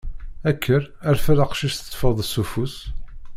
Kker, rfed aqcic teṭṭfeḍ-t seg ufus.